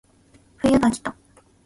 冬がきた